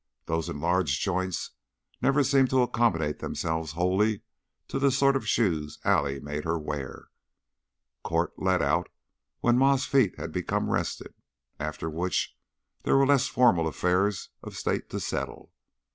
Those enlarged joints never seemed to accommodate themselves wholly to the sort of shoes Allie made her wear. Court "let out" when Ma's feet had become rested, after which there were less formal affairs of state to settle.